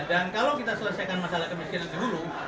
dan kalau kita selesaikan masalah kemiskinan dulu